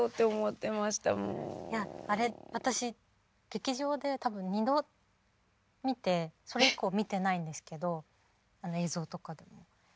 あれ私劇場で多分二度見てそれ以降見てないんですけどあの映像とかでも。